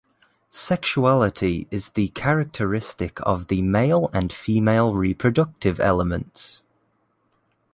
Sexuality is the characteristic of the male and female reproductive elements.